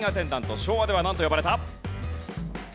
昭和ではなんと呼ばれた？